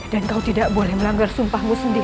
dan kau tidak boleh melanggar sumpahmu sendiri